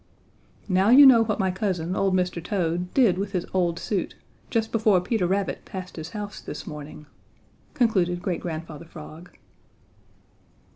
"Now you know what my cousin, old Mr. Toad, did with his old suit just before Peter Rabbit passed his house this morning," concluded Great Grandfather Frog.